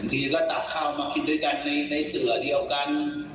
ทีก็ตักข้าวมากินด้วยกันในเสือเดียวกัน